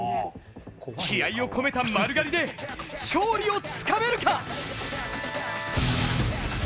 気合いを込めた丸刈りで勝利をつかめるか。